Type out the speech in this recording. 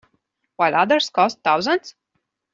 while others cost thousands?